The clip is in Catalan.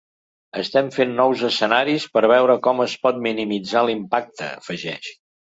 Estem fent nous escenaris per veure com es pot minimitzar l’impacte, afegeix.